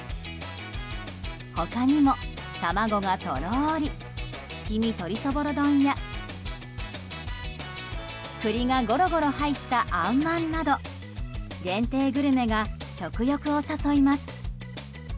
他にも卵がとろり月見鶏そぼろ丼や栗がゴロゴロ入ったあんまんなど限定グルメが食欲を誘います。